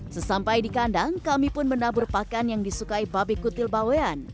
sesampai di kandang kami pun menabur pakan yang disukai babi kutil bawean